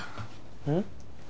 うん？